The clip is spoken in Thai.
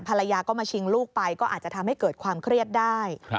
ภรรยาก็มาชิงลูกไปก็อาจจะทำให้เกิดความเครียดได้